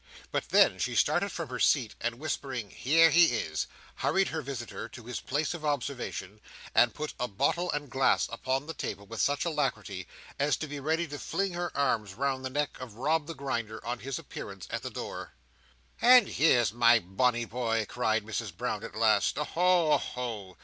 But then she started from her seat, and whispering "Here he is!" hurried her visitor to his place of observation, and put a bottle and glass upon the table, with such alacrity, as to be ready to fling her arms round the neck of Rob the Grinder on his appearance at the door. "And here's my bonny boy," cried Mrs Brown, "at last!—oho, oho!